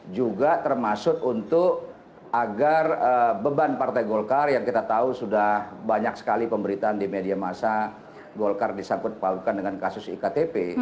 juga termasuk untuk agar beban partai golkar yang kita tahu sudah banyak sekali pemberitaan di media masa golkar disangkut pautkan dengan kasus iktp